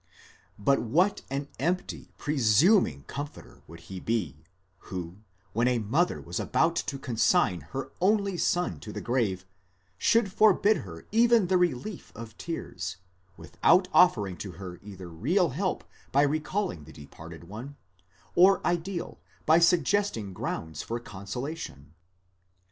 ® But what an empty, presuming comforter would he be, who, when a mother was about to consign her only son to the grave, should forbid her even the relief of tears, without offering to her either real help by recalling the departed one, or ideal, by suggesting grounds for consolation!